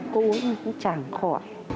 cô uống cũng chẳng khỏi